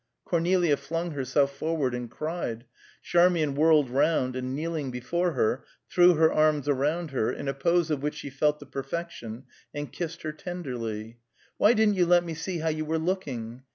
Cornelia flung herself forward and cried; Charmian whirled round, and kneeling before her, threw her arms around her, in a pose of which she felt the perfection, and kissed her tenderly. "Why didn't you let me see how you were looking?